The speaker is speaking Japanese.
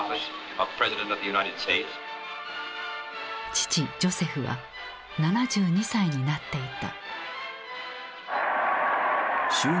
父ジョセフは７２歳になっていた。